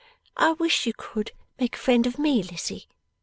I wish you could make a friend of me, Lizzie.